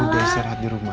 udah siar hati rumah